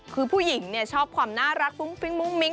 คือผู้หญิงชอบความน่ารักฟุ้งฟิ้งมุ้งมิ้ง